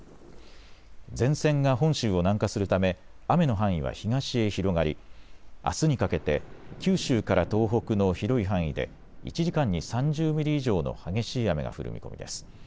前線が本州を南下するため雨の範囲は東へ広がりあすにかけて、九州から東北の広い範囲で１時間に３０ミリ以上の激しい雨が降る見込みです。